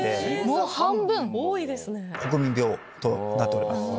もう半分。となっております。